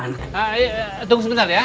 tunggu sebentar ya